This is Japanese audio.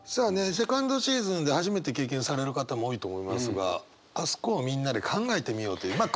セカンドシーズンで初めて経験される方も多いと思いますがあそこをみんなで考えてみようというまあ